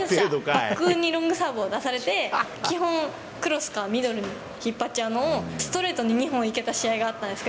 バック側にロングサーブを出されて、基本、クロスからミドルに引っ張っちゃうのを、ストレートに２本いけた試合があったんです